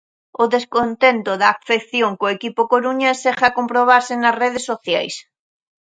O descontento da afección co equipo coruñés segue a comprobarse nas redes sociais.